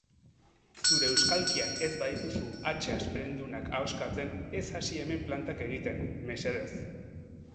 Zure euskalkian ez badituzu hatxe hasperendunak ahoskatzen, ez hasi hemen plantak egiten, mesedez.